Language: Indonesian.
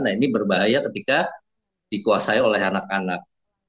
nah ini berbahaya ketika dikuasai oleh anak anak